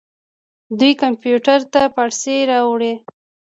دوی کمپیوټر ته فارسي راوړې.